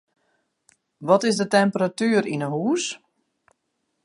Wat is de temperatuer yn 'e hús?